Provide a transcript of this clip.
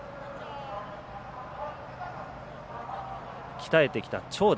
鍛えてきた長打。